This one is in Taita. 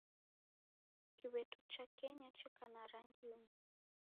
Kiw'eto cha Kenya cheka na rangi inya